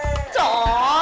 siap udang bu